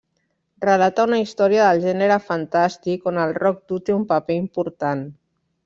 Relata una història del gènere fantàstic on el rock dur té un paper important.